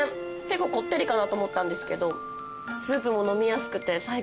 結構こってりかなと思ったんですけどスープも飲みやすくて最高です。